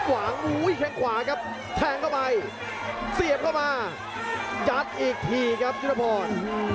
วางอุ้ยแข้งขวาครับแทงเข้าไปเสียบเข้ามายัดอีกทีครับยุทธพร